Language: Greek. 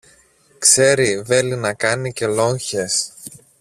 ξέρει βέλη να κάνει και λόγχες